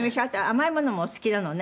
甘いものもお好きなのね。